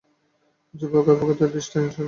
যুবক-অভ্যাগতদের দৃষ্টি ঈর্ষান্বিত।